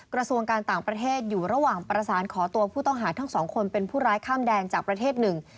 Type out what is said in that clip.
กระทรวงการต่างประเทศอยู่ระหว่างประสานขอตัวผู้ต้องหาทั้งสองคนเป็นผู้ร้ายข้ามแดงจากประเทศหนึ่ง